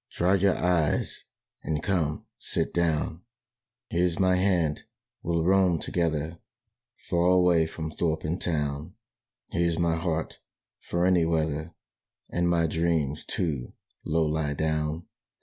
Dry your eyes and, come, sit down. "Here's my hand: we'll roam together, Far away from thorp and town. Here's my heart, for any weather, And my dreams, too, Low lie down.